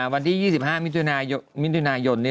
วันที่๒๕มิถุนายน